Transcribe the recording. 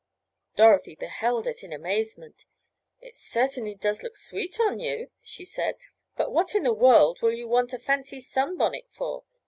Dorothy beheld it in amazement. "It certainly does look sweet on you," she said, "but what in the world will you want a fancy sunbonnet for?